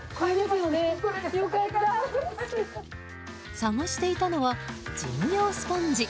探していたのは事務用スポンジ。